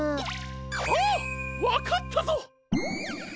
あっわかったぞ！